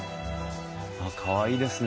かわいいですね。